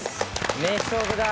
名勝負だ！